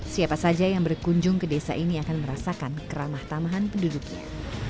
siapa saja yang berkunjung ke desa ini akan merasakan keramah tamahan penduduknya